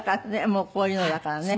もうこういうのだからね。